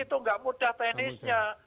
itu gak mudah teknisnya